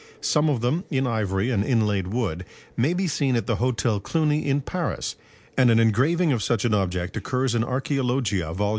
Some of them, in ivory and inlaid wood, may be seen at the Hotel Cluny in Paris, and an engraving of such an object occurs in 'Archæologia,' vol.